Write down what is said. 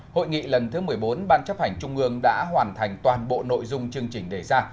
hội nghị lần thứ một mươi bốn ban chấp hành trung ương đã hoàn thành toàn bộ nội dung chương trình đề ra